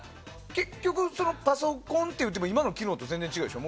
結局、パソコンといっても今のパソコンと機能は全然、違うでしょ。